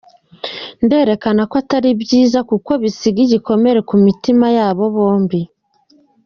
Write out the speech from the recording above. Nderekana ko atari byiza kuko bisiga igikomere ku mitima yabo bombi.